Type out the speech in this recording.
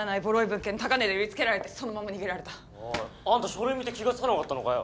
物件高値で売りつけられてそのまま逃げられたあんた書類見て気がつかなかったのかよ